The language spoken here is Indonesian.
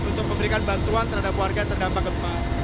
untuk memberikan bantuan terhadap warga yang terdampak gempa